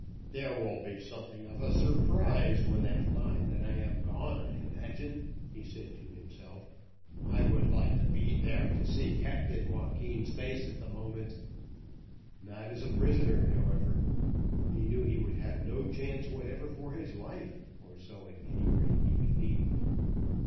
"There will be something of a surprise when they find that I am gone, I imagine," he said to himself. "I would like to be there to see Captain Joaquin's face at the moment." Not as a prisoner, however. He knew he would have no chance whatever for his life, or so, at any rate, he believed.